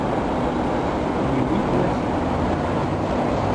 Yewwi-t wasif.